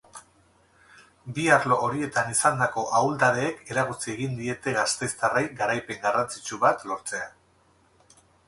Bi arlo horietan izandako ahuldadeek eragotzi egin diete gasteiztarrei garaipen garrantzitsu bat lortzea.